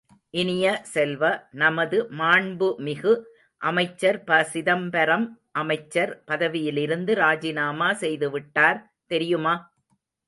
இனிய செல்வ, நமது மாண்புமிகு அமைச்சர் ப.சிதம்பரம் அமைச்சர் பதவியிலிருந்து ராஜிநாமா செய்து விட்டார், தெரியுமா?